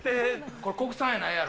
これ国産やないやろ。